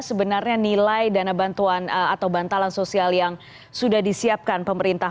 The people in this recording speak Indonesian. sebenarnya nilai dana bantuan atau bantalan sosial yang sudah disiapkan pemerintah